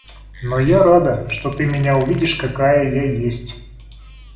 Но я рада, что ты меня увидишь какая я есть.